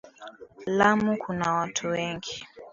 Lamu kuna watu wengi.